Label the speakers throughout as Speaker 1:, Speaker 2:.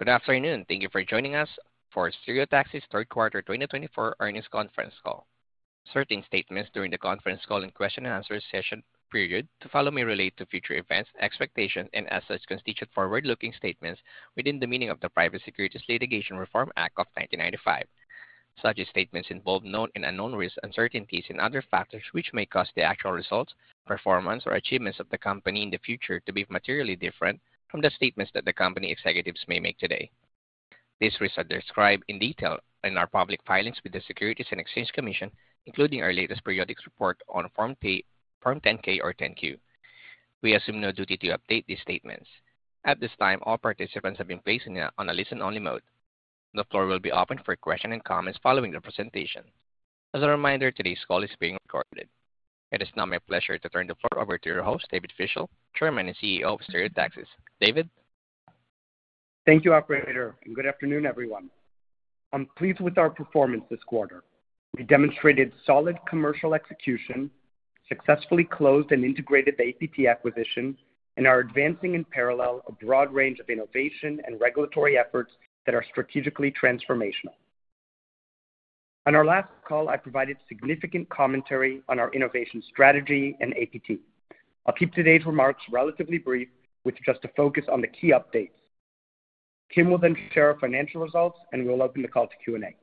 Speaker 1: Good afternoon. Thank you for joining us for Stereotaxis Third Quarter 2024 Earnings Conference Call. Certain statements during the conference call and question-and-answer session period to follow may relate to future events, expectations, and, as such, constitute forward-looking statements within the meaning of the Private Securities Litigation Reform Act of 1995. Such statements involve known and unknown risks, uncertainties, and other factors which may cause the actual results, performance, or achievements of the company in the future to be materially different from the statements that the company executives may make today. These risks are described in detail in our public filings with the Securities and Exchange Commission, including our latest periodic report on Form 10-K or 10-Q. We assume no duty to update these statements. At this time, all participants have been placed on a listen-only mode. The floor will be open for questions and comments following the presentation. As a reminder, today's call is being recorded. It is now my pleasure to turn the floor over to your host, David Fischel, Chairman and CEO of Stereotaxis. David?
Speaker 2: Thank you, Operator, and good afternoon, everyone. I'm pleased with our performance this quarter. We demonstrated solid commercial execution, successfully closed and integrated the APT acquisition, and are advancing in parallel a broad range of innovation and regulatory efforts that are strategically transformational. On our last call, I provided significant commentary on our innovation strategy and APT. I'll keep today's remarks relatively brief, with just a focus on the key updates. Kim will then share our financial results, and we'll open the call to Q&A.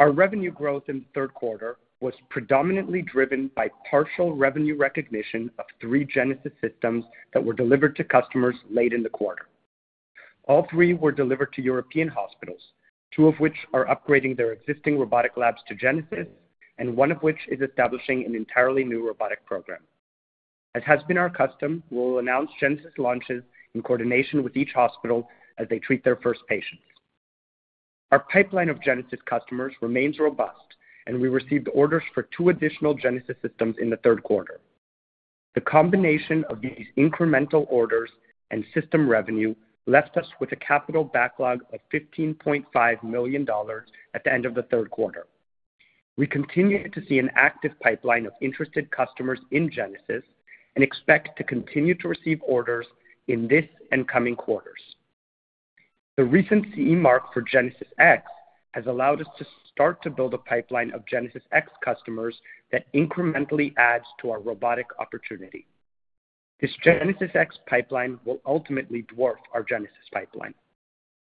Speaker 2: Our revenue growth in the third quarter was predominantly driven by partial revenue recognition of three Genesis systems that were delivered to customers late in the quarter. All three were delivered to European hospitals, two of which are upgrading their existing robotic labs to Genesis, and one of which is establishing an entirely new robotic program. As has been our custom, we'll announce Genesis launches in coordination with each hospital as they treat their first patient. Our pipeline of Genesis customers remains robust, and we received orders for two additional Genesis systems in the third quarter. The combination of these incremental orders and system revenue left us with a Capital Backlog of $15.5 million at the end of the third quarter. We continue to see an active pipeline of interested customers in Genesis and expect to continue to receive orders in this and coming quarters. The recent CE Mark for Genesis X has allowed us to start to build a pipeline of Genesis X customers that incrementally adds to our robotic opportunity. This Genesis X pipeline will ultimately dwarf our Genesis pipeline.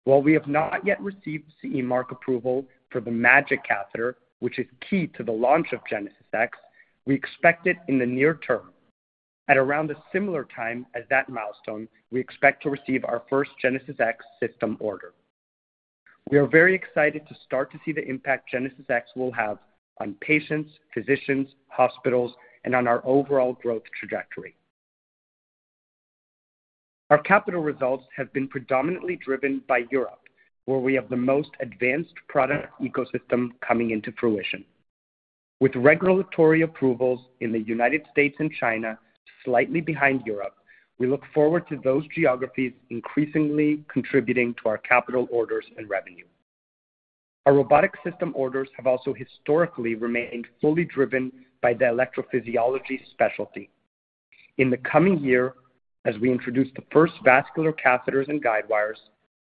Speaker 2: While we have not yet received CE mark approval for the MAGiC catheter, which is key to the launch of Genesis X, we expect it in the near term. At around a similar time as that milestone, we expect to receive our first Genesis X system order. We are very excited to start to see the impact Genesis X will have on patients, physicians, hospitals, and on our overall growth trajectory. Our capital results have been predominantly driven by Europe, where we have the most advanced product ecosystem coming into fruition. With regulatory approvals in the United States and China slightly behind Europe, we look forward to those geographies increasingly contributing to our capital orders and revenue. Our robotic system orders have also historically remained fully driven by the electrophysiology specialty. In the coming year, as we introduce the first vascular catheters and guidewires,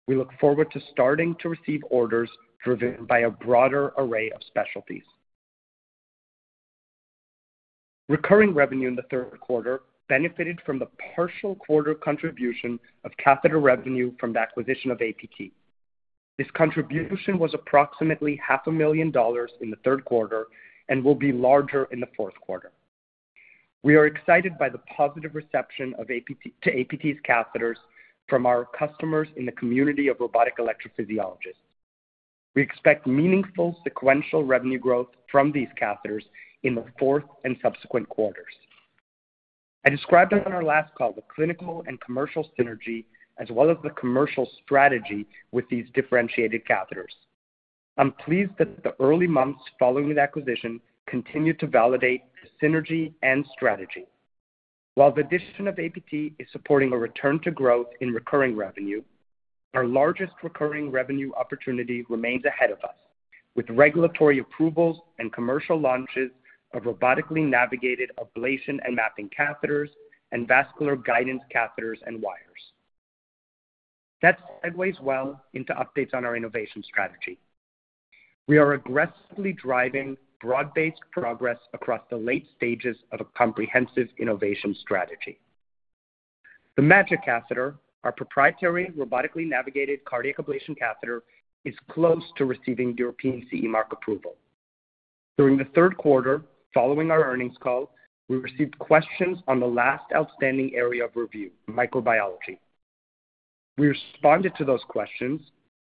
Speaker 2: we look forward to starting to receive orders driven by a broader array of specialties. Recurring revenue in the third quarter benefited from the partial quarter contribution of catheter revenue from the acquisition of APT. This contribution was approximately $500,000 in the third quarter and will be larger in the fourth quarter. We are excited by the positive reception to APT's catheters from our customers in the community of robotic electrophysiologists. We expect meaningful sequential revenue growth from these catheters in the fourth and subsequent quarters. I described on our last call the clinical and commercial synergy, as well as the commercial strategy with these differentiated catheters. I'm pleased that the early months following the acquisition continue to validate the synergy and strategy. While the addition of APT is supporting a return to growth in recurring revenue, our largest recurring revenue opportunity remains ahead of us, with regulatory approvals and commercial launches of robotically navigated ablation and mapping catheters and vascular guidance catheters and wires. That segues well into updates on our innovation strategy. We are aggressively driving broad-based progress across the late stages of a comprehensive innovation strategy. The MAGiC catheter, our proprietary robotically navigated cardiac ablation catheter, is close to receiving European CE mark approval. During the third quarter, following our earnings call, we received questions on the last outstanding area of review, microbiology. We responded to those questions,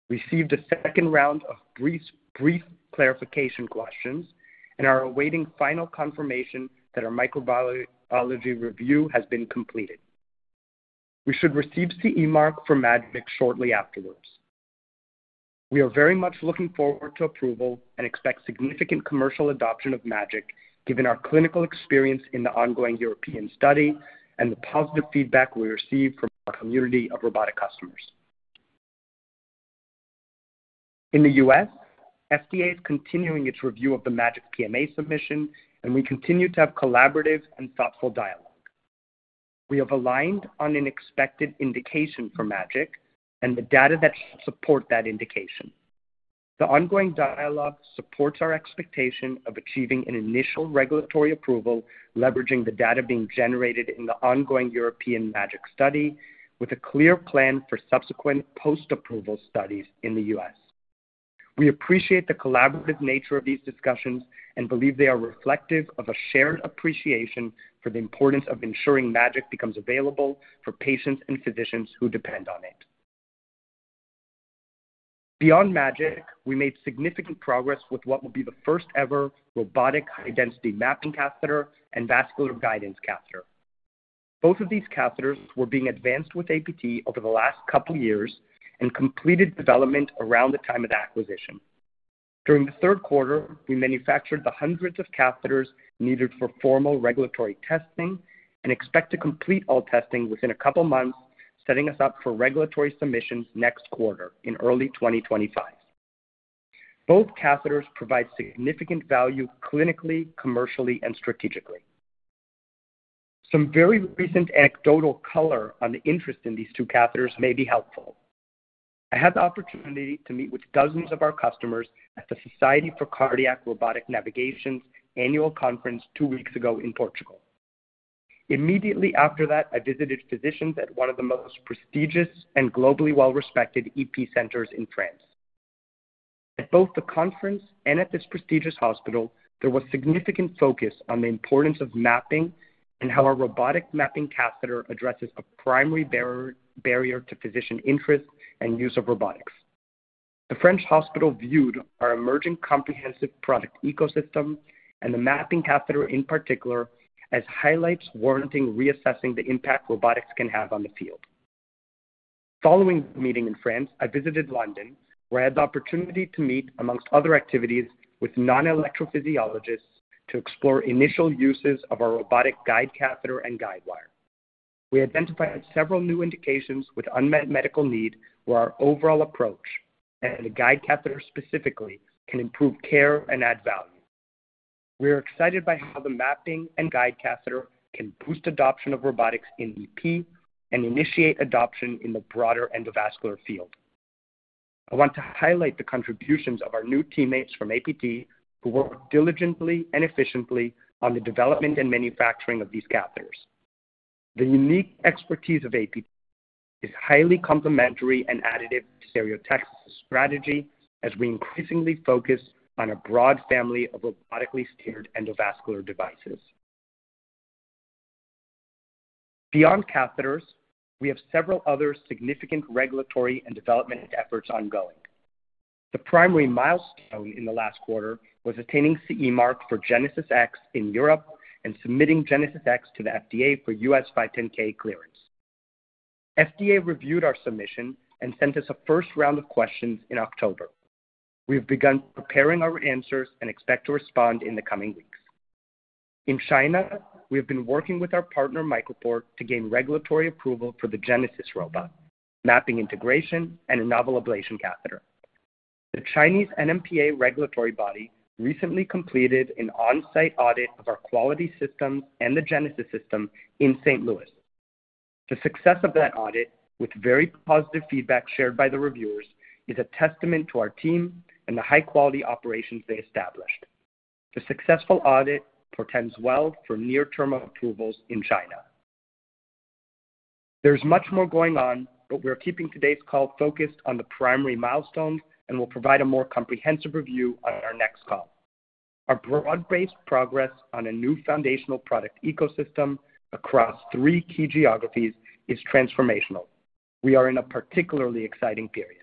Speaker 2: received a second round of brief clarification questions, and are awaiting final confirmation that our microbiology review has been completed. We should receive CE mark for MAGiC shortly afterwards. We are very much looking forward to approval and expect significant commercial adoption of MAGiC, given our clinical experience in the ongoing European study and the positive feedback we received from our community of robotic customers. In the U.S., FDA is continuing its review of the MAGiC PMA submission, and we continue to have collaborative and thoughtful dialogue. We have aligned on an expected indication for MAGiC and the data that should support that indication. The ongoing dialogue supports our expectation of achieving an initial regulatory approval, leveraging the data being generated in the ongoing European MAGiC study, with a clear plan for subsequent post-approval studies in the U.S. We appreciate the collaborative nature of these discussions and believe they are reflective of a shared appreciation for the importance of ensuring MAGiC becomes available for patients and physicians who depend on it. Beyond MAGiC, we made significant progress with what will be the first-ever robotic high-density mapping catheter and vascular guidance catheter. Both of these catheters were being advanced with APT over the last couple of years and completed development around the time of acquisition. During the third quarter, we manufactured the hundreds of catheters needed for formal regulatory testing and expect to complete all testing within a couple of months, setting us up for regulatory submissions next quarter in early 2025. Both catheters provide significant value clinically, commercially, and strategically. Some very recent anecdotal color on the interest in these two catheters may be helpful. I had the opportunity to meet with dozens of our customers at the Society for Cardiac Robotic Navigation's annual conference two weeks ago in Portugal. Immediately after that, I visited physicians at one of the most prestigious and globally well-respected EP centers in France. At both the conference and at this prestigious hospital, there was significant focus on the importance of mapping and how a robotic mapping catheter addresses a primary barrier to physician interest and use of robotics. The French hospital viewed our emerging comprehensive product ecosystem and the mapping catheter in particular as highlights warranting reassessing the impact robotics can have on the field. Following the meeting in France, I visited London, where I had the opportunity to meet, among other activities, with non-electrophysiologists to explore initial uses of our robotic guide catheter and guidewire. We identified several new indications with unmet medical need where our overall approach and the guide catheter specifically can improve care and add value. We are excited by how the mapping and guide catheter can boost adoption of robotics in EP and initiate adoption in the broader endovascular field. I want to highlight the contributions of our new teammates from APT, who work diligently and efficiently on the development and manufacturing of these catheters. The unique expertise of APT is highly complementary and additive to Stereotaxis' strategy as we increasingly focus on a broad family of robotically steered endovascular devices. Beyond catheters, we have several other significant regulatory and development efforts ongoing. The primary milestone in the last quarter was attaining CE mark for Genesis X in Europe and submitting Genesis X to the FDA for U.S. 510(k) clearance. FDA reviewed our submission and sent us a first round of questions in October. We have begun preparing our answers and expect to respond in the coming weeks. In China, we have been working with our partner MicroPort to gain regulatory approval for the Genesis robot, mapping integration, and a novel ablation catheter. The Chinese NMPA regulatory body recently completed an on-site audit of our quality systems and the Genesis system in St. Louis. The success of that audit, with very positive feedback shared by the reviewers, is a testament to our team and the high-quality operations they established. The successful audit portends well for near-term approvals in China. There's much more going on, but we're keeping today's call focused on the primary milestones and will provide a more comprehensive review on our next call. Our broad-based progress on a new foundational product ecosystem across three key geographies is transformational. We are in a particularly exciting period.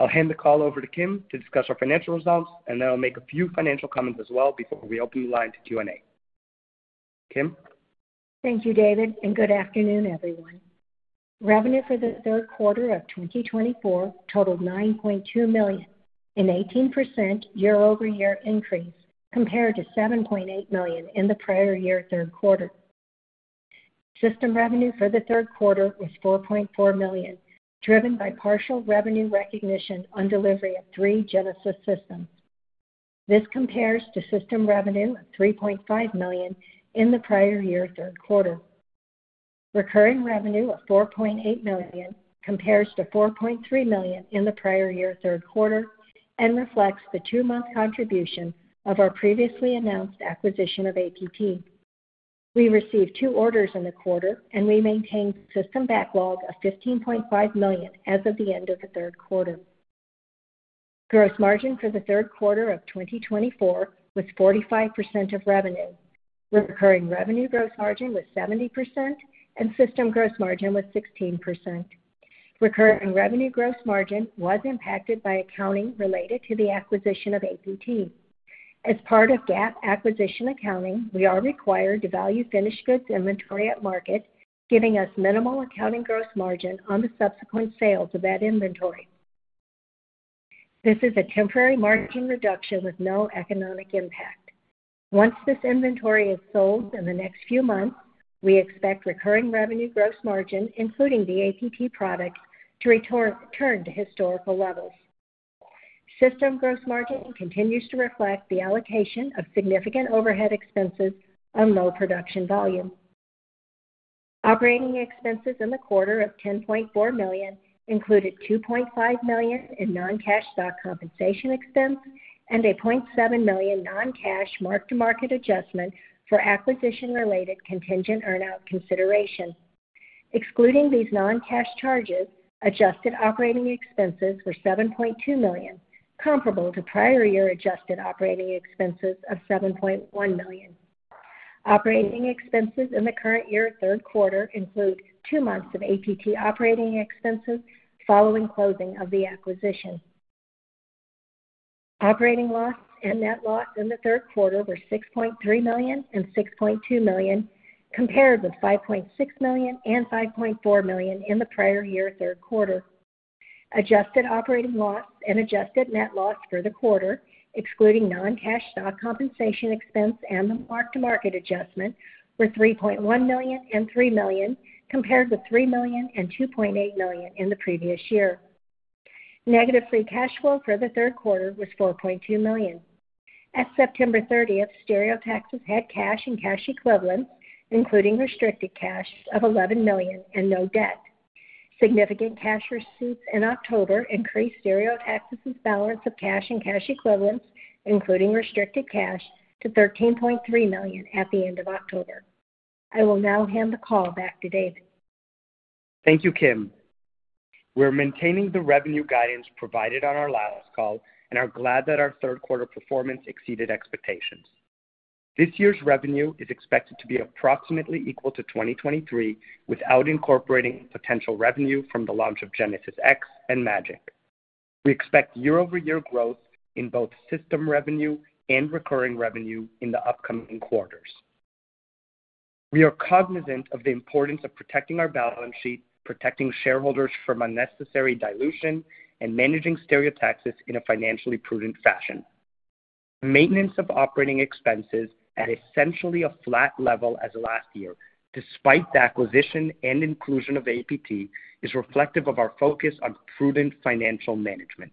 Speaker 2: I'll hand the call over to Kim to discuss our financial results, and then I'll make a few financial comments as well before we open the line to Q&A. Kim?
Speaker 3: Thank you, David, and good afternoon, everyone. Revenue for the third quarter of 2024 totaled $9.2 million, an 18% year-over-year increase compared to $7.8 million in the prior year third quarter. System revenue for the third quarter was $4.4 million, driven by partial revenue recognition on delivery of three Genesis systems. This compares to system revenue of $3.5 million in the prior year third quarter. Recurring revenue of $4.8 million compares to $4.3 million in the prior year third quarter and reflects the two-month contribution of our previously announced acquisition of APT. We received two orders in the quarter, and we maintained system backlog of $15.5 million as of the end of the third quarter. Gross margin for the third quarter of 2024 was 45% of revenue. Recurring revenue gross margin was 70%, and system gross margin was 16%. Recurring revenue gross margin was impacted by accounting related to the acquisition of APT. As part of APT acquisition accounting, we are required to value finished goods inventory at market, giving us minimal accounting gross margin on the subsequent sales of that inventory. This is a temporary margin reduction with no economic impact. Once this inventory is sold in the next few months, we expect recurring revenue gross margin, including the APT product, to return to historical levels. System gross margin continues to reflect the allocation of significant overhead expenses on low production volume. Operating expenses in the quarter of $10.4 million included $2.5 million in non-cash stock compensation expense and a $0.7 million non-cash mark-to-market adjustment for acquisition-related contingent earnout consideration. Excluding these non-cash charges, adjusted operating expenses were $7.2 million, comparable to prior year adjusted operating expenses of $7.1 million. Operating expenses in the current year third quarter include two months of APT operating expenses following closing of the acquisition. Operating loss and net loss in the third quarter were $6.3 million and $6.2 million, compared with $5.6 million and $5.4 million in the prior year third quarter. Adjusted operating loss and adjusted net loss for the quarter, excluding non-cash stock compensation expense and the mark-to-market adjustment, were $3.1 million and $3 million, compared with $3 million and $2.8 million in the previous year. Negative free cash flow for the third quarter was $4.2 million. As of September 30th, Stereotaxis had cash and cash equivalents, including restricted cash of $11 million and no debt. Significant cash receipts in October increased Stereotaxis' balance of cash and cash equivalents, including restricted cash, to $13.3 million at the end of October. I will now hand the call back to David.
Speaker 2: Thank you, Kim. We are maintaining the revenue guidance provided on our last call and are glad that our third quarter performance exceeded expectations. This year's revenue is expected to be approximately equal to 2023 without incorporating potential revenue from the launch of Genesis X and MAGiC. We expect year-over-year growth in both system revenue and recurring revenue in the upcoming quarters. We are cognizant of the importance of protecting our balance sheet, protecting shareholders from unnecessary dilution, and managing Stereotaxis in a financially prudent fashion. Maintenance of operating expenses at essentially a flat level as last year, despite the acquisition and inclusion of APT, is reflective of our focus on prudent financial management.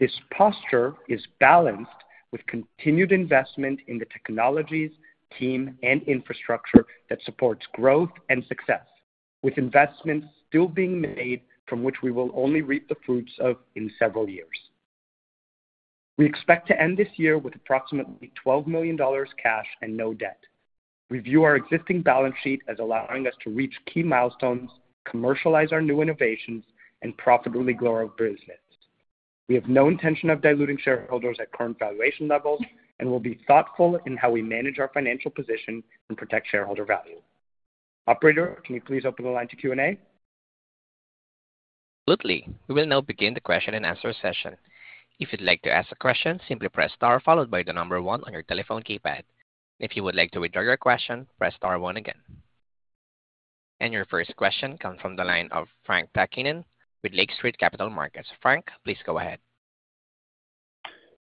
Speaker 2: This posture is balanced with continued investment in the technologies, team, and infrastructure that supports growth and success, with investments still being made from which we will only reap the fruits of in several years. We expect to end this year with approximately $12 million cash and no debt. We view our existing balance sheet as allowing us to reach key milestones, commercialize our new innovations, and profitably grow our business. We have no intention of diluting shareholders at current valuation levels and will be thoughtful in how we manage our financial position and protect shareholder value. Operator, can you please open the line to Q&A?
Speaker 1: Absolutely. We will now begin the question and answer session. If you'd like to ask a question, simply press star followed by the number one on your telephone keypad. If you would like to withdraw your question, press star one again. And your first question comes from the line of Frank Takkinen with Lake Street Capital Markets. Frank, please go ahead.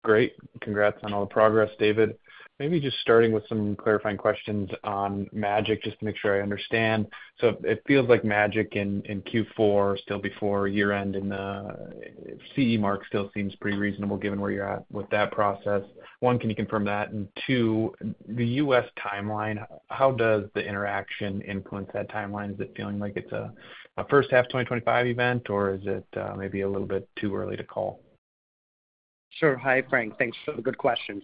Speaker 4: Great. Congrats on all the progress, David. Maybe just starting with some clarifying questions on MAGiC, just to make sure I understand. So it feels like MAGiC in Q4, still before year-end, and the CE Mark still seems pretty reasonable given where you're at with that process. One, can you confirm that? And two, the U.S. timeline, how does the interaction influence that timeline? Is it feeling like it's a first half 2025 event, or is it maybe a little bit too early to call?
Speaker 2: Sure. Hi, Frank. Thanks for the good questions.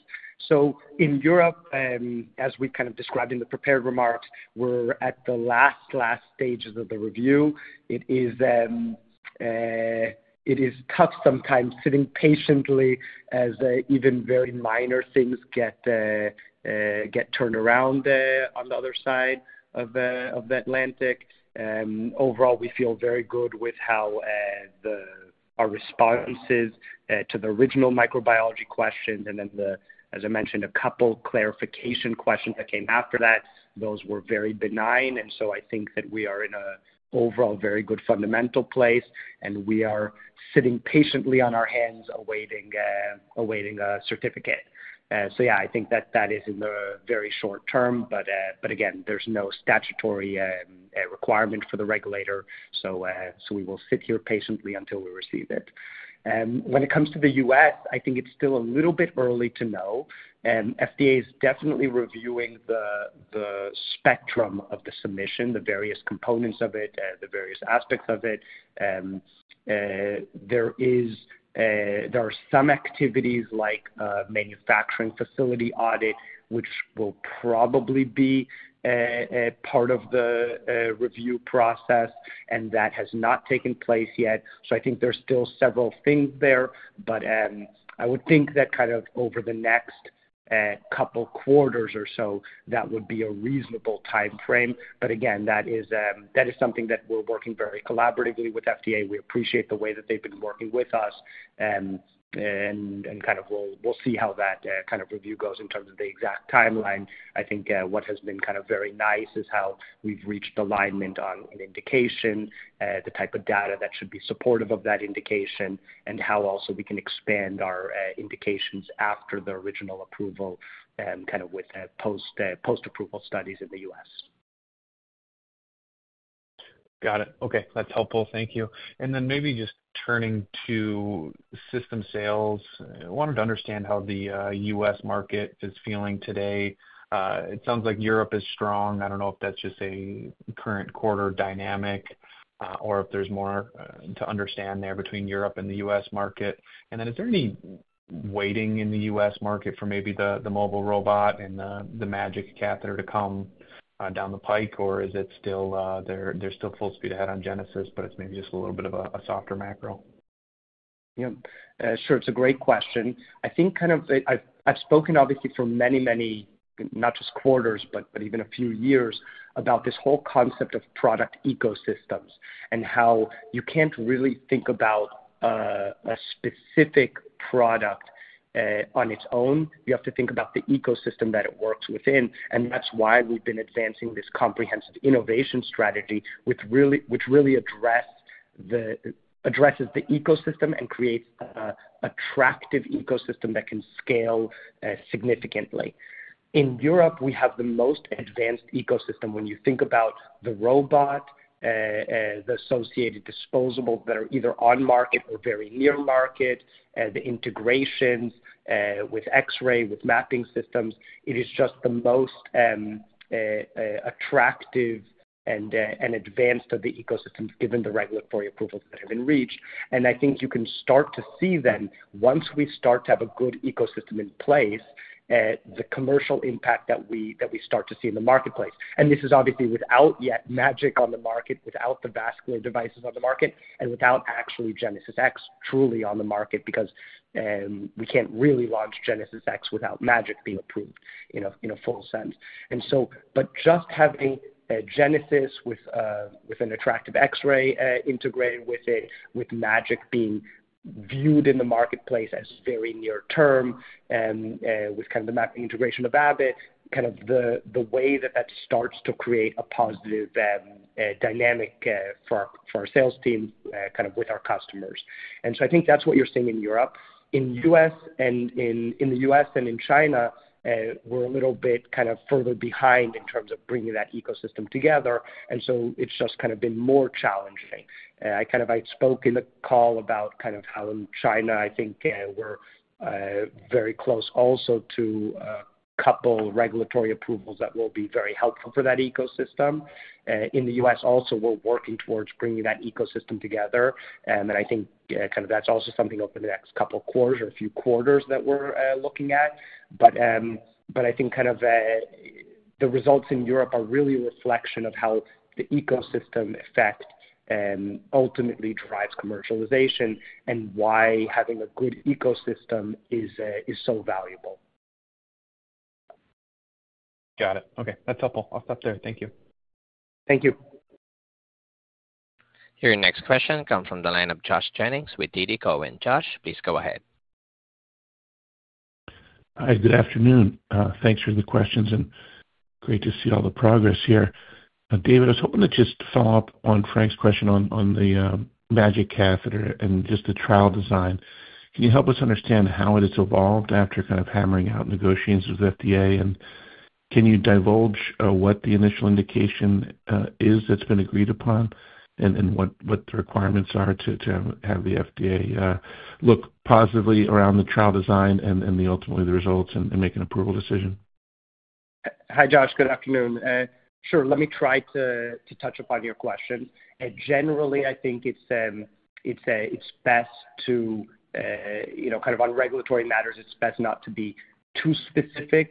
Speaker 2: So in Europe, as we kind of described in the prepared remarks, we're at the last, last stages of the review. Is then it is tough sometimes sitting patiently as even very minor things get there get turned around there on the other side of the of the Atlantic. Overall, we feel very good with how the our responses to the original microbiology questions and then, as I mentioned, a couple of clarification questions that came after that, those were very benign. And so I think that we are in an overall very good fundamental place, and we are sitting patiently on our hands awaiting a awaiting a certificate. So yeah, I think that that is in the very short term, but but again, there's no statutory requirement for the regulator, so so we will sit here patiently until we receive it. And when it comes to the U.S., I think it's still a little bit early to know. And FDA is definitely reviewing the the spectrum of the submission, the various components of it, the various aspects of it. And there is there are some activities like a manufacturing facility audit, which will probably be part a a of the review process, and that has not taken place yet. So I think there's still several things there, but I would think that kind of over the next couple of quarters or so, that would be a reasonable time frame. But again, that is that is something that we're working very collaboratively with FDA. We appreciate the way that they've been working with us, and and kind of we'll see how that kind of review goes in terms of the exact timeline. I think what has been kind of very nice is how we've reached alignment on an indication, the type of data that should be supportive of that indication, and how also we can expand our indications after the original approval, kind of with a post post-approval studies in the U.S.
Speaker 4: Got it. Okay. That's helpful. Thank you. And then maybe just turning to system sales, I wanted to understand how the U.S. market is feeling today. It sounds like Europe is strong. I don't know if that's just a current quarter dynamic or if there's more to understand there between Europe and the U.S. market. And then is there any waiting in the U.S. market for maybe the mobile robot and the MAGiC catheter to come down the pike, or is it still they're they're full speed ahead on Genesis, but it's maybe just a little bit of a softer macro?
Speaker 2: You know. Sure. It's a great question. I think kind of I've spoken obviously for many, many, not just quarters, but even a few years about this whole concept of product ecosystems and how you can't really think about a a specific product on its own. You have to think about the ecosystem that it works within. And that's why we've been advancing this comprehensive innovation strategy, which really which really address the addresses the ecosystem and creates an attractive ecosystem that can scale significantly. In Europe, we have the most advanced ecosystem when you think about the robot, the associated disposables that are either on market or very near market, and the integrations with X-ray, with mapping systems. It is just the most attractive and and advanced of the ecosystems given the regulatory approvals that have been reached. And I think you can start to see then, once we start to have a good ecosystem in place, the commercial impact that we that we start to see in the marketplace. And this is obviously without yet MAGiC on the market, without the vascular devices on the market, and without actually Genesis X truly on the market, because we can't really launch Genesis X without MAGiC being approved in a full sense. And so, but just having Genesis with with an attractive X-ray integrated with it, with MAGiC being viewed in the marketplace as very near term, and with kind of the mapping integration of Abbott, kind of the the way that that starts to create a positive dynamic for our sales team, kind of with our customers. And so I think that's what you're seeing in Europe. In the U.S. and in the U.S. and in China, we're a little bit kind of further behind in terms of bringing that ecosystem together. And so it's just kind of been more challenging. I kind of spoke in the call about kind of how in China, I think we're very close also to a couple of regulatory approvals that will be very helpful for that ecosystem. In the U.S. also, we're working towards bringing that ecosystem together. And I think kind of that's also something over the next couple of quarters or a few quarters that we're looking at. But but I think kind of the results in Europe are really a reflection of how the ecosystem effect ultimately drives commercialization and why having a good ecosystem is so valuable.
Speaker 4: Got it. Okay. That's helpful. I'll stop there. Thank you.
Speaker 2: Thank you.
Speaker 1: Your next question comes from the line of Josh Jennings with TD Cowen. Josh, please go ahead.
Speaker 5: Hi, good afternoon. Thanks for the questions, and great to see all the progress here. David, I was hoping to just follow up on Frank's question on on the MAGiC catheter and just the trial design. Can you help us understand how it has evolved after kind of hammering out negotiations with FDA? And can you divulge what the initial indication is that's been agreed upon and what what the requirements are to have the FDA look positively around the trial design and and then ultimately the results and make an approval decision?
Speaker 2: Hi, Josh. Good afternoon. Sure. Let me try to to touch upon your question. And generally, I think it's it's a best to kind of on regulatory matters. It's best not to be too specific.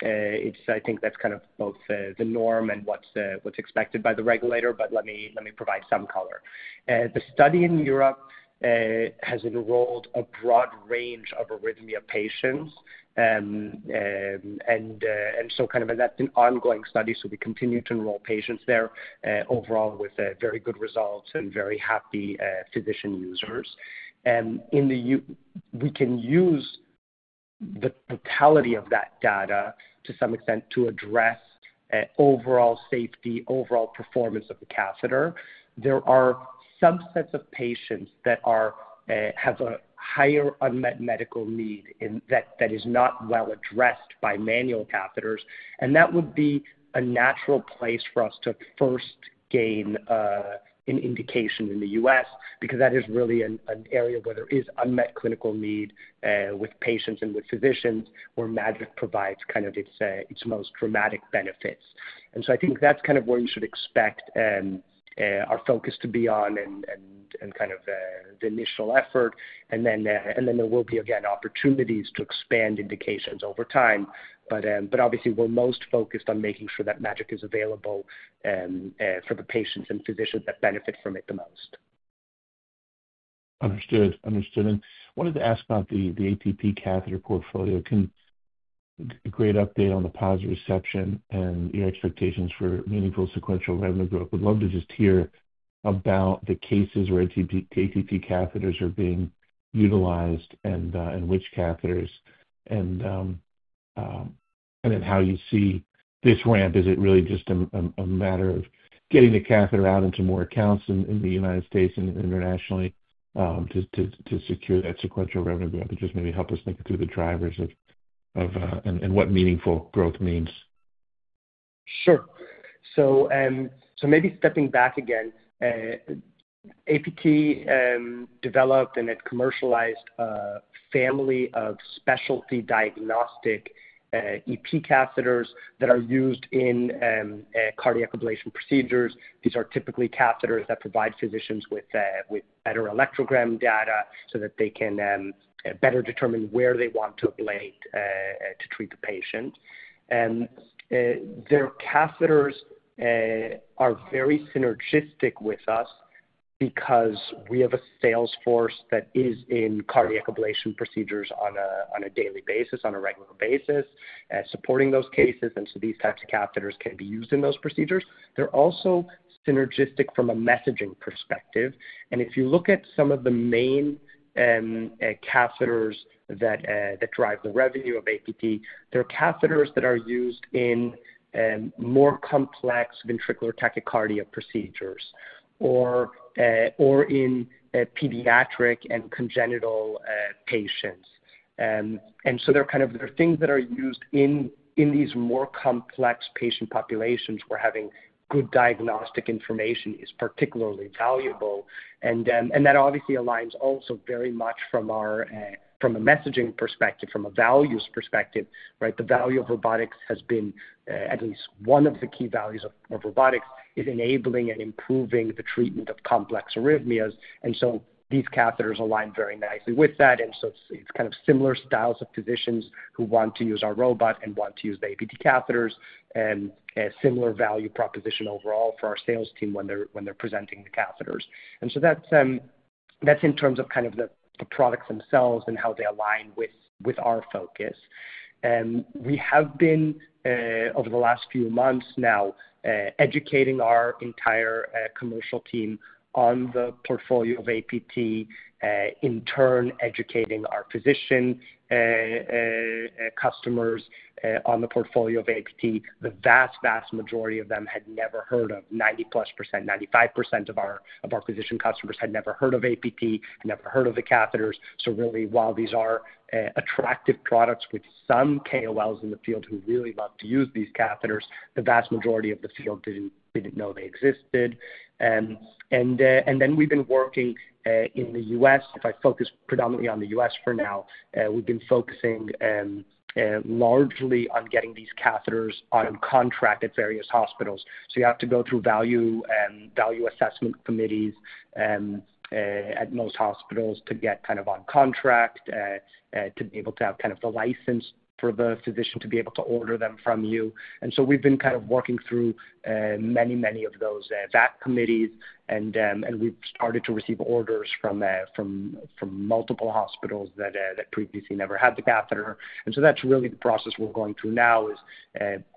Speaker 2: It's I think that's kind of both the norm and what's what's expected by the regulator, but let me let me provide some color. And the study in Europe has enrolled a broad range of arrhythmia patients, and and so kind of that's an ongoing study, so we continue to enroll patients there overall with very good results and very happy physician users. And in the we can use the totality of that data to some extent to address overall safety, overall performance of the catheter. There are subsets of patients that are have a higher unmet medical need that is not well addressed by manual catheters. And that would be a natural place for us to first gain an indication in the U.S. because that is really an an area where there is unmet clinical need with patients and with physicians where MAGiC provides kind of its most dramatic benefits. And so I think that's kind of where you should expect our focus to be on and and kind of the initial effort. And then there will be, again, opportunities to expand indications over time. But but obviously, we're most focused on making sure that MAGiC is available for the patients and physicians that benefit from it the most.
Speaker 5: Understood. Understood and wanted to ask about the APT catheter portfolio. Great update on the positive reception and your expectations for meaningful sequential revenue growth. Would love to just hear about the cases where APT catheters are being utilized and which catheters, and then how you see this ramp. Is it really just a matter of getting the catheter out into more accounts in the United States and internationally to to secure that sequential revenue growth? Just maybe help us think through the drivers and then what meaningful growth means?
Speaker 2: Sure, so so maybe stepping back again, APT developed and had commercialized a family of specialty diagnostic EP catheters that are used in cardiac ablation procedures. These are typically catheters that provide physicians with with better electrogram data so that they can better determine where they want to ablate to treat the patient. Their catheters are very synergistic with us because we have a sales force that is in cardiac ablation procedures on a daily basis, on a on a regular basis, and supporting those cases, and so these types of catheters can be used in those procedures. They're also synergistic from a messaging perspective, and if you look at some of the main catheters that that drive the revenue of APT, there are catheters that are used in more complex ventricular tachycardia procedures or or in pediatric and congenital patients. And so they're kind of things that are used in in these more complex patient populations where having good diagnostic information is particularly valuable. And then obviously aligns also very much from a messaging perspective, from a values perspective, right? The value of robotics has been at least one of the key values of robotics is enabling and improving the treatment of complex arrhythmias. And so these catheters align very nicely with that. And so it's kind of similar styles of physicians who want to use our robot and want to use the APT catheters and similar value proposition overall for our sales team when they're presenting the catheters. And so that's that's in terms of kind of the products themselves and how they align with our focus. We have been, over the last few months now, educating our entire commercial team on the portfolio of APT, in turn educating our physician customers on the portfolio of APT. The vast, vast majority of them had never heard of 90-plus%, 95% of our physician customers had never heard of APT, had never heard of the catheters. So really, while these are attractive products with some KOLs in the field who really love to use these catheters, the vast majority of the field didn't know they existed. And and then we've been working in the U.S., if I focus predominantly on the U.S. for now, we've been focusing largely on getting these catheters on contract at various hospitals. So you have to go through value value assessment committees at most hospitals to get kind of on contract, to be able to have kind of the license for the physician to be able to order them from you. And so we've been kind of working through many, many of those VAC committees, and we've started to receive orders from from multiple hospitals that previously never had the catheter. And so that's really the process we're going through now is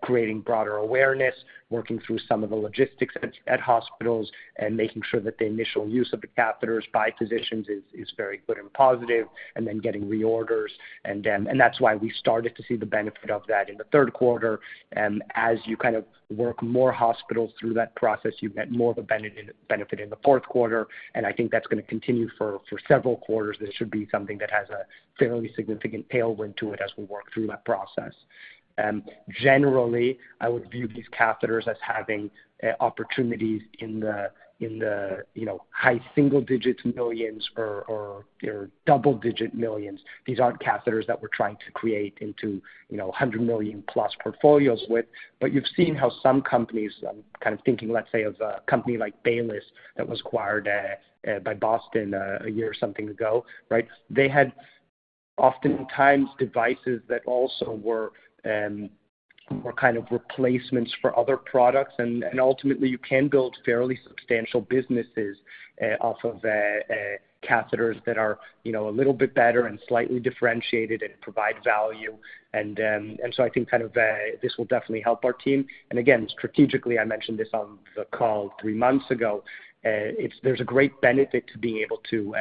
Speaker 2: creating broader awareness, working through some of the logistics at hospitals, and making sure that the initial use of the catheters by physicians is very good and positive, and then getting reorders. And then that's why we started to see the benefit of that in the third quarter. And as you kind of work more hospitals through that process, you get more of a benefit in the fourth quarter. I think that's gonna continue for several quarters. There should be something that has a fairly significant tailwind to it as we work through that process. And generally, I would view these catheters as having opportunities in the in the you know high single-digit millions or or double-digit millions. These aren't catheters that we're trying to create into 100 you know million-plus portfolios with. But you've seen how some companies, I'm kind of thinking, let's say, of a company like Baylis that was acquired by Boston a year or something ago, right? They had oftentimes devices that also were were kind of replacements for other products. And then ultimately, you can build fairly substantial businesses off of catheters that are a little bit better and slightly differentiated and provide value. And and so I think kind of this will definitely help our team. And again, strategically, I mentioned this on the call three months ago. It's there's a great benefit to being able to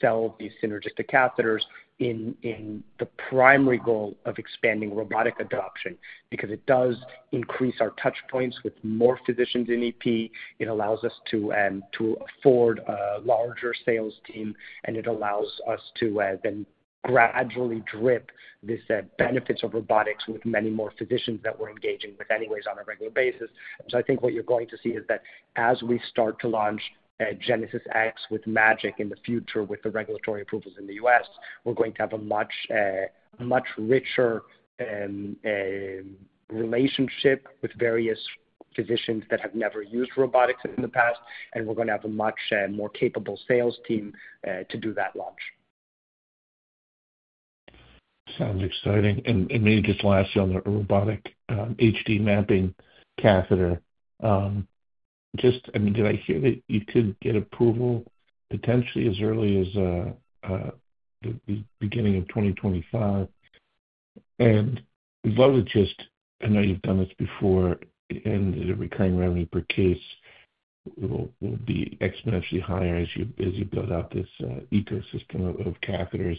Speaker 2: sell these synergistic catheters in in the primary goal of expanding robotic adoption because it does increase our touchpoints with more physicians in EP. It allows us to to afford a larger sales team, and it allows us to then gradually drip these benefits of robotics with many more physicians that we're engaging with anyways on a regular basis. And so I think what you're going to see is that as we start to launch Genesis X with MAGiC in the future with the regulatory approvals in the U.S., we're going to have a much much richer and a relationship with various physicians that have never used robotics in the past. And we're gonna have a much more capable sales team to do that launch.
Speaker 5: Sounds exciting. And and maybe just lastly on the robotic HD mapping catheter, just I mean, did I hear that you could get approval potentially as early as the beginning of 2025? And we'd love to just, I know you've done this before, and the recurring revenue per case will be exponentially higher as you build out this ecosystem of catheters.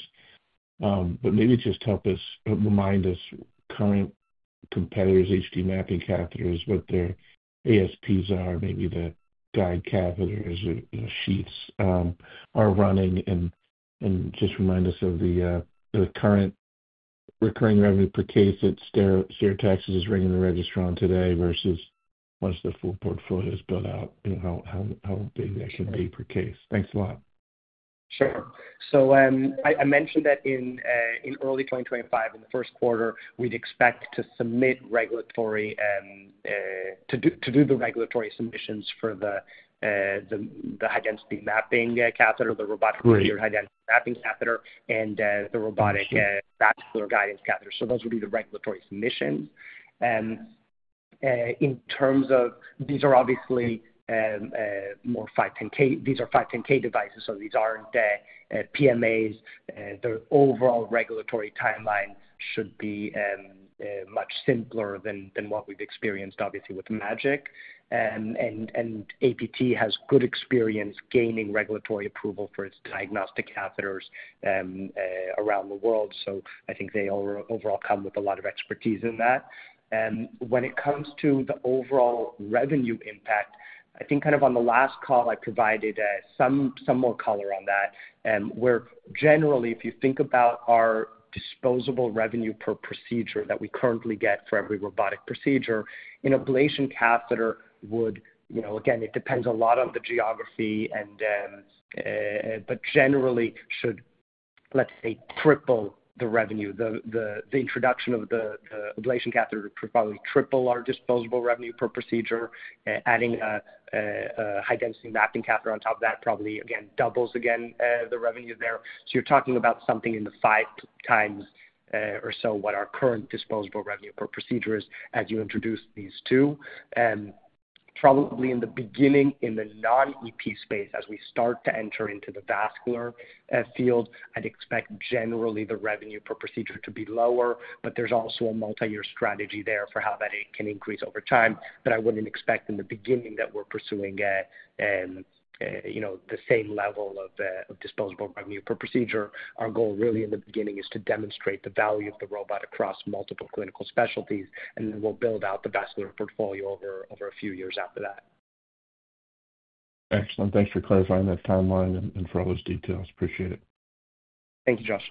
Speaker 5: But maybe just help us remind us current competitors, HD mapping catheters, what their ASPs are, maybe the guide catheters or sheaths are running, and and just remind us of the current recurring revenue per case that Stereotaxis is ringing the register on today versus once the full portfolio is built out, how how big that can be per case. Thanks a lot.
Speaker 2: Sure. So I mentioned that in in early 2025, in the first quarter, we'd expect to submit regulatory to do the regulatory submissions for the high-density mapping catheter, the robotically geared high-density mapping catheter, and the robotic vascular guidance catheter. So those would be the regulatory submissions. In terms of these are obviously more 510(k), these are 510(k) devices, so these aren't PMAs. The overall regulatory timeline should be much simpler than than what we've experienced, obviously, with MAGiC. And and APT has good experience gaining regulatory approval for its diagnostic catheters around the world. So I think they overall come with a lot of expertise in that. And when it comes to the overall revenue impact, I think kind of on the last call, I provided some some more color on that. Where generally, if you think about our disposable revenue per procedure that we currently get for every robotic procedure, an ablation catheter would, you know again, it depends a lot on the geography and, but generally should, let's say, triple the revenue. The the introduction of the the ablation catheter would probably triple our disposable revenue per procedure. Adding a a high-density mapping catheter on top of that probably, again, doubles again the revenue there. So you're talking about something in the five times or so what our current disposable revenue per procedure is as you introduce these two. Probably in the beginning, in the non-EP space, as we start to enter into the vascular field, I'd expect generally the revenue per procedure to be lower, but there's also a multi-year strategy there for how that can increase over time. But I wouldn't expect in the beginning that we're pursuing you know the same level of disposable revenue per procedure. Our goal really in the beginning is to demonstrate the value of the robot across multiple clinical specialties, and then we'll build out the vascular portfolio over over few years after that.
Speaker 5: Excellent. Thanks for clarifying that timeline and for all those details. Appreciate it.
Speaker 2: Thank you, Josh.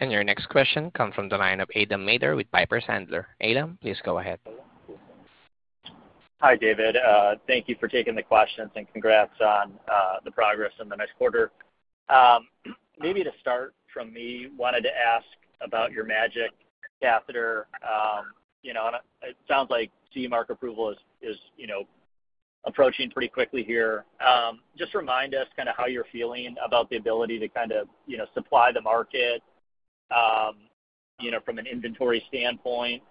Speaker 1: And your next question comes from the line of Adam Maeder with Piper Sandler. Adam, please go ahead.
Speaker 6: Hi, David. Thank you for taking the questions and congrats on the progress in the next quarter. Maybe to start from me, I wanted to ask about your MAGiC catheter. You know it sounds like CE Mark approval is you know approaching pretty quickly here. Just remind us kind of how you're feeling about the ability to kind of you know supply the market you know from an inventory standpoint.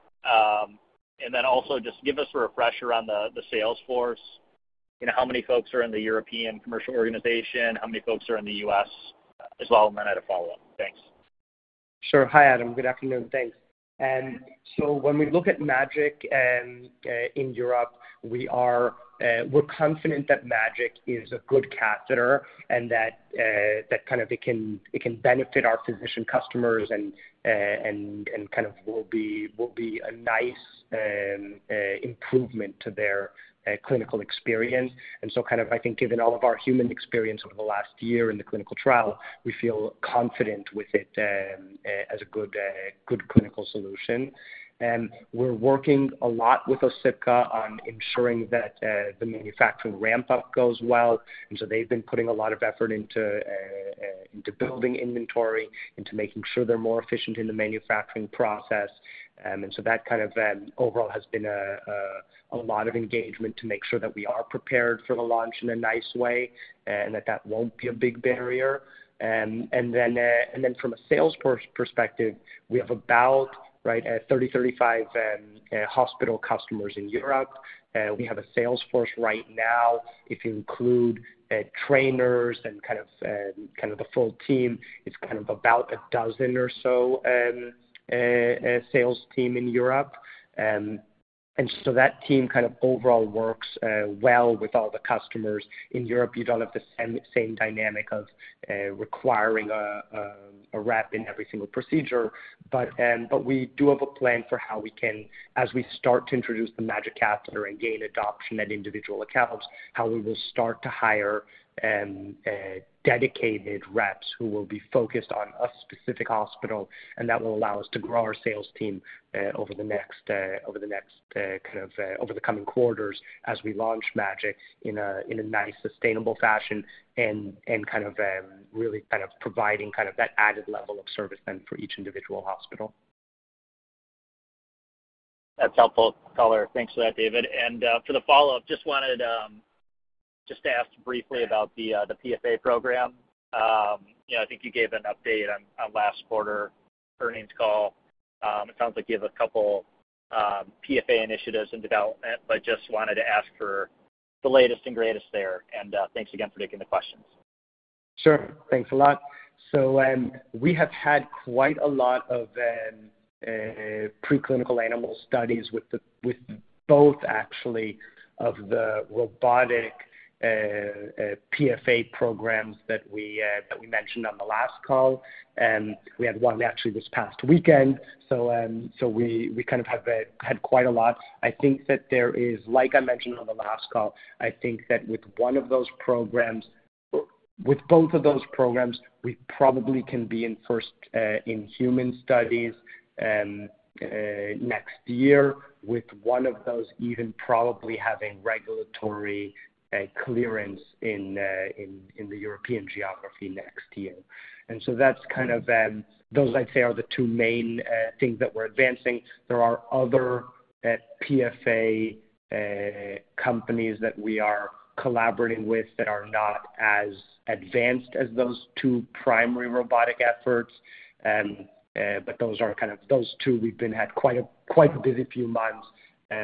Speaker 6: And then also just give us a refresher on on the sales force. You know how many folks are in the European commercial organization? How many folks are in the U.S. as well? And then I had a follow-up. Thanks.
Speaker 2: Sure. Hi, Adam. Good afternoon. Thanks. And so when we look at MAGiC and in Europe, we are we're confident that MAGiC is a good catheter and that that kind of it can benefit our physician customers and and kind of will be will be a nice improvement to their clinical experience. And so kind of I think given all of our human experience over the last year in the clinical trial, we feel confident with it as a good clinical solution. And we're working a lot with Osipka on ensuring that the manufacturing ramp-up goes well. And so they've been putting a lot of effort into into building inventory, into making sure they're more efficient in the manufacturing process. And so that kind of overall has been a lot of engagement to make sure that we are prepared for the launch in a nice way and that that won't be a big barrier. And and then from a sales force perspective, we have about 30, 35 hospital customers in Europe. We have a sales force right now. If include trainers and kind of the full team, it's kind of about a dozen or so sales team in Europe. And and so that team kind of overall works well with all the customers. In Europe, you don't have the same dynamic of requiring a a rep in every single procedure. But we do have a plan for how we can, as we start to introduce the MAGiC catheter and gain adoption at individual accounts, how we will start to hire dedicated reps who will be focused on a specific hospital. And that will allow us to grow our sales team over the next over the next over the coming quarters as we launch MAGiC in a in a nice sustainable fashion and and kind of really kind of providing that added level of service for each individual hospital.
Speaker 6: That's helpful, caller. Thanks for that, David. And fFor the follow-up, just wanted to ask briefly about the PFA program. I think you gave an update on last quarter earnings call. It sounds like you have a couple PFA initiatives in development, but just wanted to ask for the latest and greatest there. And thanks again for taking the questions.
Speaker 2: Sure. Thanks a lot. So we have had quite a lot of a a preclinical animal studies with both, actually, of the robotic PFA programs that we that we mentioned on the last call. We had one actually this past weekend. So we we kind of have had quite a lot. I think that there is, like I mentioned on the last call, I think that with one of those programs, with both of those programs, we probably can be in first in human studies next year, with one of those even probably having regulatory clearance in in the European geography next year. And so that's kind of those, I'd say, are the two main things that we're advancing. There are other PFA companies that we are collaborating with that are not as advanced as those two primary robotic efforts. But those are kind of those two. We've been had quite a busy few months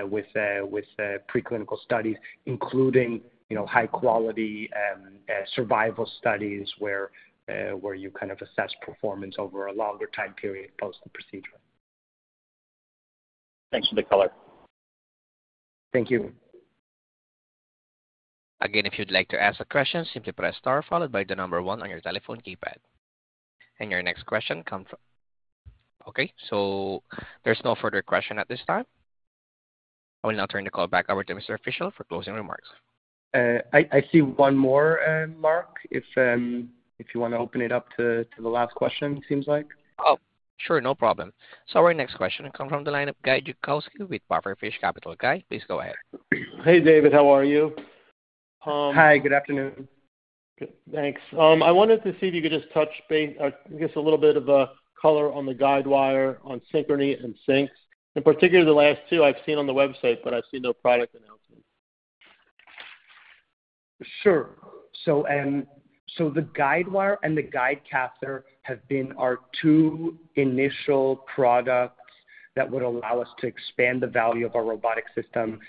Speaker 2: with a with a preclinical studies, including you know high-quality survival studies where where you kind of assess performance over a longer time period post the procedure.
Speaker 6: Thanks for the color.
Speaker 2: Thank you.
Speaker 1: Again, if you'd like to ask a question, simply press star followed by the number one on your telephone keypad, and your next question comes from. Okay. So there's no further question at this time. I will now turn the call back over to Mr. Fischel for closing remarks.
Speaker 2: I I see one more, Mark, if you want to open it up to the last question, it seems like.
Speaker 1: Oh, sure. No problem. So our next question comes from the line of Guy Judkowski with Pufferfish Capital Guy. Please go ahead.
Speaker 7: Hey, David. How are you?
Speaker 2: Hi. Good afternoon.
Speaker 7: Thanks. I wanted to see if you could just touch base, I guess, a little bit of a color on the guidewire on Synchrony and Sync, in particular the last two I've seen on the website, but I've seen no product announcements.
Speaker 2: Sure. So and so the guidewire and the guide catheter have been our two initial products that would allow us to expand the value of our robotic system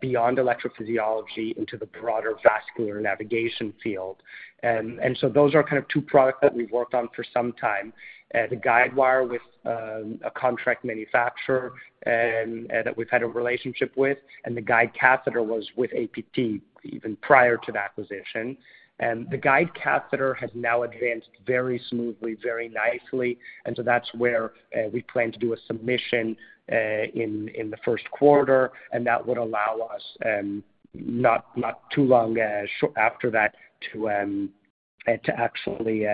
Speaker 2: beyond electrophysiology into the broader vascular navigation field. And and so those are kind of two products that we've worked on for some time. The guidewire with a contract manufacturer that we've had a relationship with, and the guide catheter was with APT even prior to the acquisition. And the guide catheter has now advanced very smoothly, very nicely. And so that's where we plan to do a submission in the first quarter. And that would allow us not not too long after that to actually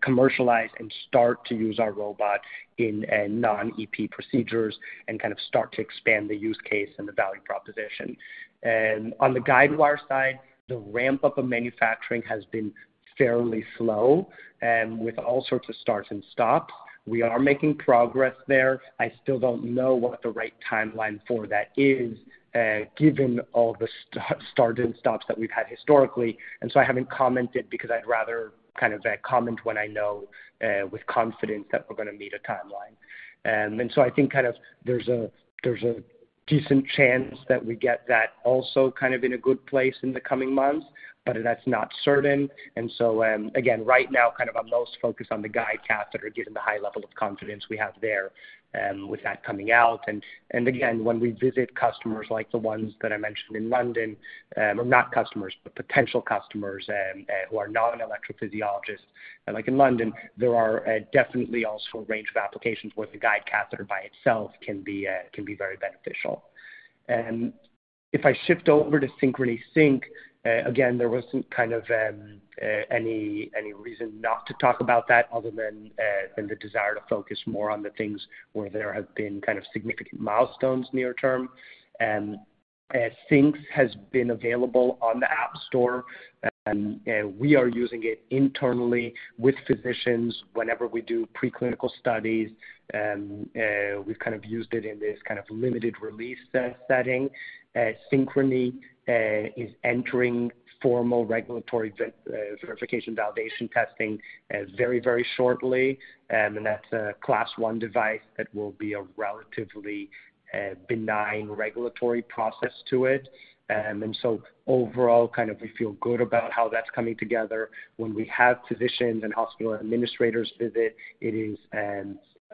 Speaker 2: commercialize and start to use our robot in a non-EP procedures and kind of start to expand the use case and the value proposition. And on the guidewire side, the ramp-up of manufacturing has been fairly slow and with all sorts of starts and stops. We are making progress there. I still don't know what the right timeline for that is given all the starts and stops that we've had historically. And so I haven't commented because I'd rather kind of comment when I know with confidence that we're going to meet a timeline. And so I think kind of there's a there's a decent chance that we get that also kind of in a good place in the coming months, but that's not certain. And so again, right now, kind of I'm most focused on the guide catheter given the high level of confidence we have there with that coming out. And again, when we visit customers like the ones that I mentioned in London, or not customers, but potential customers who are non-electrophysiologists, like in London, there are definitely also a range of applications where the guide catheter by itself can be can be very beneficial. If I shift over to Synchrony Sync, again, there wasn't kind of any reason not to talk about that other than the desire to focus more on the things where there have been kind of significant milestones near term. And Sync has been available on the app store. And we are using it internally with physicians whenever we do preclinical studies. We've kind of used it in this kind of limited release setting. Synchrony is entering formal regulatory verification validation testing very, very shortly. And that's a Class I device that will be a relatively benign regulatory process to it. And so overall, kind of we feel good about how that's coming together. When we have physicians and hospital administrators visit, it is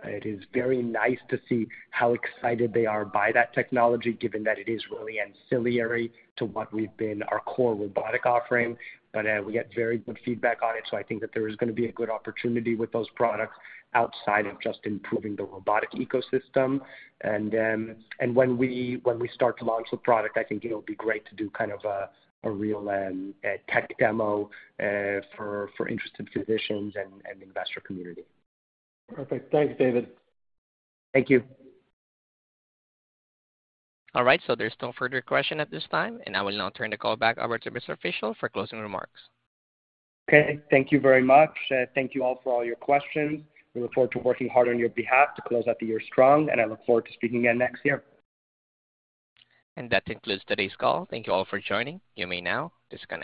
Speaker 2: it is very nice to see how excited they are by that technology, given that it is really ancillary to what we've been our core robotic offering. But we get very good feedback on it. So I think that there is gonna be a good opportunity with those products outside of just improving the robotic ecosystem. And then and when we start to launch the product, I think it will be great to do kind of a real tech demo for for interested physicians and and the investor community.
Speaker 7: Perfect. Thanks, David.
Speaker 2: Thank you.
Speaker 1: All right. So there's no further question at this time. And I will now turn the call back over to Mr. Fischel for closing remarks.
Speaker 2: Okay. Thank you very much. Thank you all for all your questions. We look forward to working hard on your behalf to close out the year strong, and I look forward to speaking again next year.
Speaker 1: And that concludes today's call. Thank you all for joining. You may now disconnect.